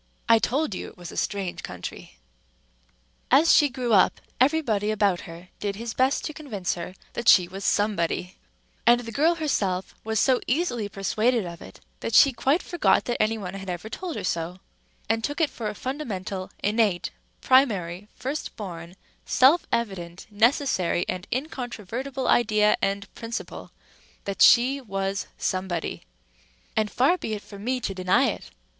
I told you it was a strange country. As she grew up, everybody about her did his best to convince her that she was Somebody; and the girl herself was so easily persuaded of it that she quite forgot that anybody had ever told her so, and took it for a fundamental, innate, primary, first born, self evident, necessary, and incontrovertible idea and principle that she was Somebody. And far be it from me to deny it.